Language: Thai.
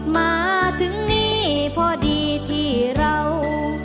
มาถึงนี่พอดีที่เรา